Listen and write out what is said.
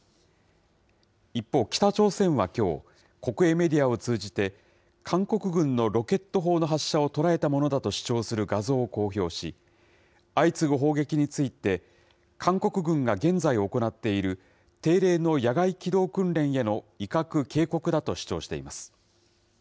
一方、北朝鮮はきょう、国営メディアを通じて、韓国軍のロケット砲の発射を捉えたものだと主張する画像を公表し、相次ぐ砲撃について、韓国軍が現在行っている定例の野外機動訓練への威嚇・警告だと主張しています。